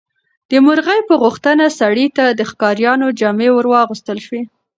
د مرغۍ په غوښتنه سړي ته د ښکاریانو جامې ورواغوستل شوې.